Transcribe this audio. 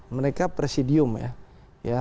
mereka presidium ya